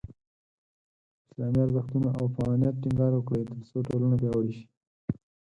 په اسلامي ارزښتونو او افغانیت ټینګار وکړئ، ترڅو ټولنه پیاوړې شي.